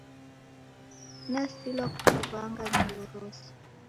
Nasilwa kukuwanga ngelo rose